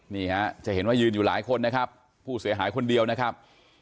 นี่ฮะจะเห็นว่ายืนอยู่หลายคนนะครับผู้เสียหายคนเดียวนะครับ